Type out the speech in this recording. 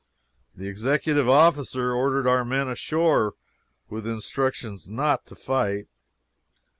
The executive officer ordered our men ashore with instructions not to fight.